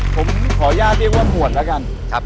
ผมขออนุญาตเรียกว่าหมวดแล้วกัน